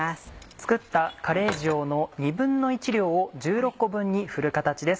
作ったカレー塩の１／２量を１６個分に振る形です。